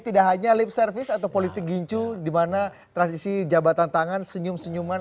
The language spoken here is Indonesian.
tidak hanya lip service atau politik gincu di mana transisi jabatan tangan senyum senyuman